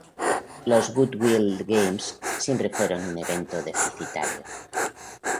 Los Goodwill Games siempre fueron un evento deficitario.